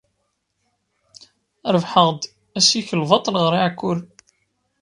Rebḥeɣ-d assikel baṭel ɣer Iɛekkuren.